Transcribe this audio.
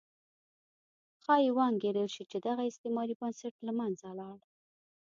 ښایي وانګېرل شي چې دغه استعماري بنسټ له منځه لاړ.